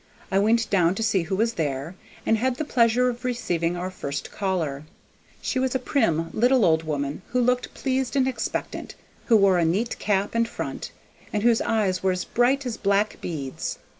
I went down to see who was there, and had the pleasure of receiving our first caller. She was a prim little old woman who looked pleased and expectant, who wore a neat cap and front, and whose eyes were as bright as black beads.